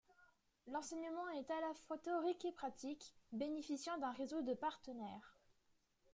L'enseignement est à la fois théorique et pratique, bénéficiant d'un réseau de partenaires.